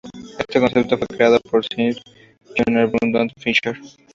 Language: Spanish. Este concepto fue creado por Sir John Arbuthnot Fisher.